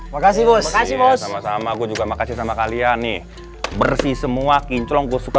makasih bos sama sama gua juga makasih sama kalian nih bersih semua kinclong gue suka